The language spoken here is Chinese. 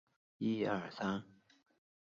其触须和其他步足则都是白色的。